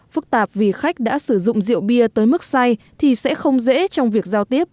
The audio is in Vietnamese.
phức tạp vì khách đã sử dụng rượu bia tới mức say thì sẽ không dễ trong việc giao tiếp